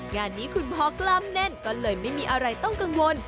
งานนี้คุณพ่อกล้ามแน่นก็เลยไม่มีอะไรต้องกังวล